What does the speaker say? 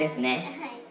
はい。